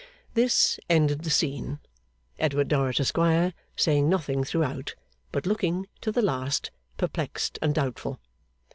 This ended the scene; Edward Dorrit, Esquire, saying nothing throughout, but looking, to the last, perplexed and doubtful.